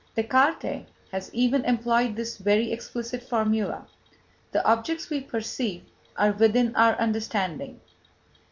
Descartes has even employed this very explicit formula: "The objects we perceive are within our understanding."